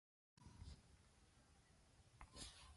افغانانو د خپلې آزادۍ لپاره قربانۍ ورکړې.